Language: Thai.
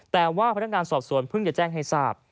แต่ว่าพนักงานสอบสวนเพิ่งจะแจ้งให้ทราบ